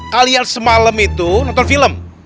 kalian semalam itu nonton film